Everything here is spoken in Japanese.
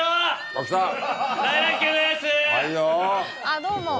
あっどうも。